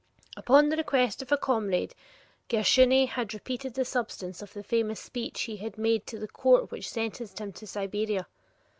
Upon the request of a comrade, Gershuni had repeated the substance of the famous speech he had made to the court which sentenced him to Siberia.